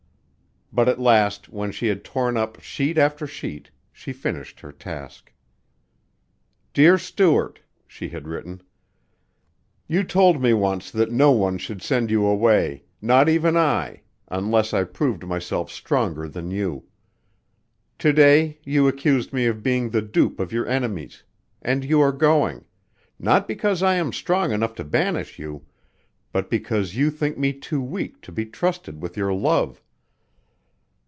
But at last when she had torn up sheet after sheet, she finished her task. "Dear Stuart," she had written. "You told me once that no one should send you away not even I unless I proved myself stronger than you. To day you accused me of being the dupe of your enemies and you are going not because I am strong enough to banish you, but because you think me too weak to be trusted with your love.